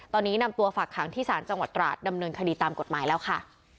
ตอนนี้นำตัวฝากขังที่ศาลจังหวัดตราดดำเนินคดีตามกฎหมายแล้วค่ะ